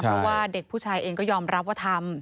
เพราะว่าเด็กผู้ชายเองก็ยอมรับว่าทำ